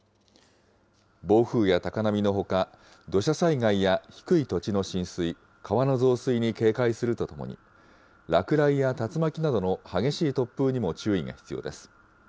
暴風や高波のほか、土砂災害や低い土地の浸水、川の増水に警戒するとともに、落雷や竜巻などの激しい突風にも注意が必要です。